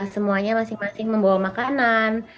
semuanya masing masing membawa makanan